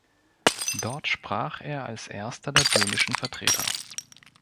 Dort sprach er als erster der böhmischen Vertreter.